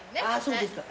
そうですか。